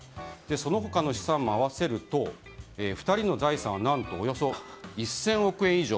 その他の資産も合わせると２人の財産は何とおよそ１０００億円以上。